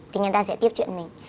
thì người ta sẽ tiếp chuyện mình